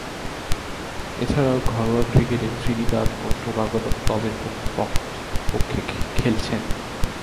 এছাড়াও ঘরোয়া ক্রিকেটে ত্রিনিদাদ ও টোবাগো দলের পক্ষে খেলছেন।